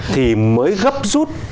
thì mới gấp rút